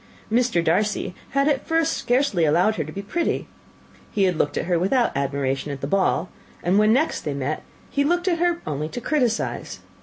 Mr. Darcy had at first scarcely allowed her to be pretty: he had looked at her without admiration at the ball; and when they next met, he looked at her only to criticise.